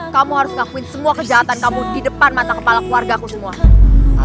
kamu harus ngakuin semua kejahatan kamu di depan mata kepala keluarga aku semua